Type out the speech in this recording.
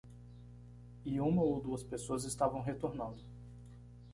E uma ou duas pessoas estavam retornando.